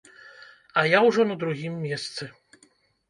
А я ўжо на другім месцы.